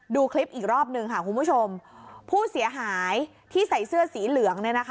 ดูคลิปอีกรอบหนึ่งค่ะคุณผู้ชมผู้เสียหายที่ใส่เสื้อสีเหลืองเนี่ยนะคะ